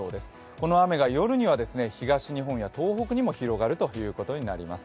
この雨が夜には東日本や東北にも広がるということになりそうです。